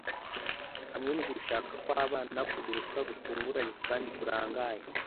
Hamwe nugushaka kwabana kuguruka gutunguranye kandi kurangaye